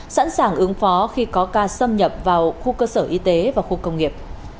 sẵn sàng ứng phó khi có ca xâm nhập vào khu cơ sở y tế và khu công nghiệp